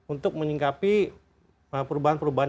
untuk menyingkapi perubahan perubahan